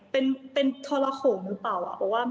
ประกาศก็คือประกาศใส่เป็นทรโคมหรือเปล่า